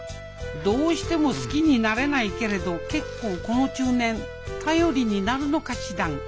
どうしても好きになれないけれど結構この中年頼りになるのかしらん。